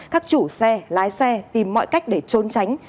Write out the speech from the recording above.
các chủ xe lái xe tìm mọi cách để trốn tránh